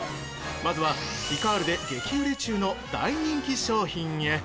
まずは、ピカールで激売れ中の大人気商品へ。